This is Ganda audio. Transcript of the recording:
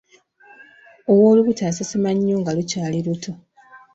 Ow'olubuto asesema nnyo nga lukyali luto.